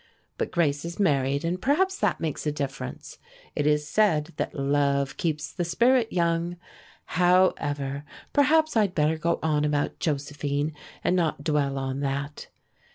But Grace is married, and perhaps that makes a difference. It is said that love keeps the spirit young. However, perhaps I'd better go on about Josephine and not dwell on that.